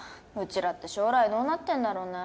ちらって将来どうなってんだろうね。